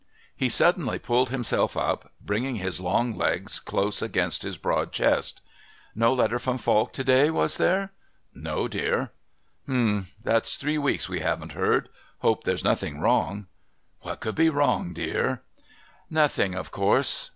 He suddenly pulled himself up, bringing his long legs close against his broad chest. "No letter from Falk to day, was there?" "No, dear." "Humph. That's three weeks we haven't heard. Hope there's nothing wrong." "What could there be wrong, dear?" "Nothing, of course....